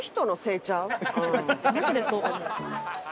マジでそう思う。